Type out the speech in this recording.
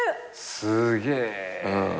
すっげえ。